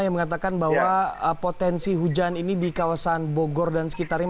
yang mengatakan bahwa potensi hujan ini di kawasan bogor dan sekitarnya